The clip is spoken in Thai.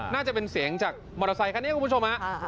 น่าจะเป็นเสียงจากมอเตอร์ไซคันนี้คุณผู้ชมฮะ